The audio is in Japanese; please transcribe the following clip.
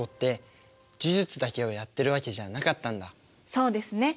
そうですね。